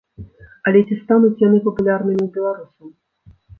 Але ці стануць яны папулярнымі ў беларусаў?